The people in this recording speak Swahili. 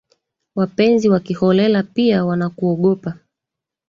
Wapenzi wa kiholela, pia wanakuogopa,